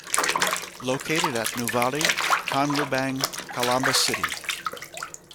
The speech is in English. Located at Nuvali, Canlubang, Calamba City.